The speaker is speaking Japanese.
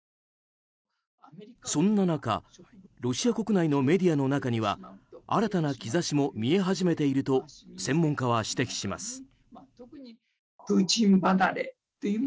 そんな中ロシア国内のメディアの中には新たな兆しも見え始めていると専門家は指摘します。